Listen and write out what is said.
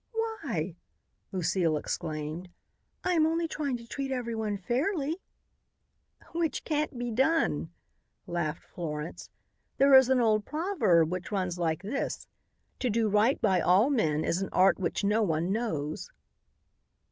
"Why?" Lucile exclaimed. "I am only trying to treat everyone fairly." "Which can't be done," laughed Florence. "There is an old proverb which runs like this: 'To do right by all men is an art which no one knows.'"